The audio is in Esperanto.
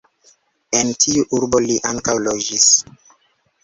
En tiu urbo li ankaŭ loĝis.